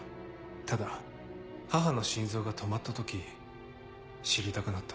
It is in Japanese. ただ母の心臓が止まった時知りたくなった。